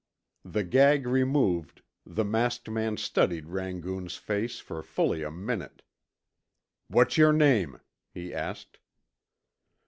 The gag removed, the masked man studied Rangoon's face for fully a minute. "What's your name?" he asked.